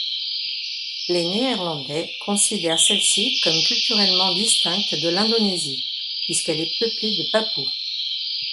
Les Néerlandais considèrent celle-ci comme culturellement distincte de l'Indonésie, puisqu'elle est peuplée de Papous.